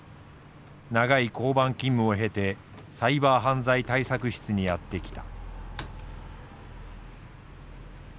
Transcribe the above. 長い交番勤務を経てサイバー犯罪対策室にやって来た。